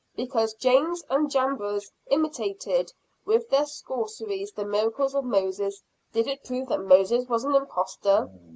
Because Jannes and Jambres imitated with their sorceries the miracles of Moses, did it prove that Moses was an impostor?